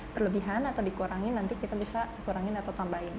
terlebihan atau dikurangin nanti kita bisa kurangin atau tambahin